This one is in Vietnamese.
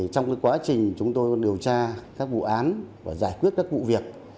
trong quá trình chúng tôi điều tra các vụ án và giải quyết các vụ việc